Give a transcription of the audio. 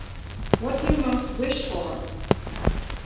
What do you most wish for?